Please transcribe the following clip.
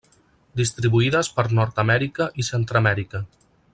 Distribuïdes per Nord-amèrica i Centreamèrica.